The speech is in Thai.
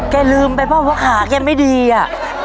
แกลืมไปเพราะว่าขาก็ยังไม่ดีอะ